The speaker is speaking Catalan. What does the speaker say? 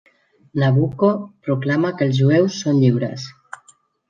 Nabucco proclama que els jueus són lliures.